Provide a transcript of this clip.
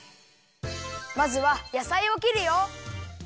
まずはやさいをきるよ。